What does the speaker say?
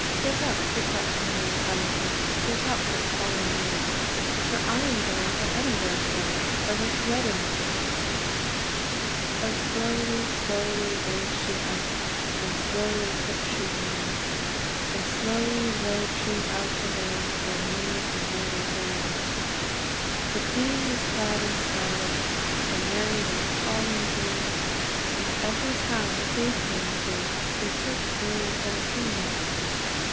"Get up, get up, Marie Hamilton, Get up, and follow me, For I am going to Edinburgh town, A rich wedding for to see." O slowly, slowly raise she up, And slowly put she on; And slowly rode she out the way, Wi mony a weary groan. The queen was clad in scarlet, Her merry maids all in green; And every town that they cam to, They took Marie for the queen.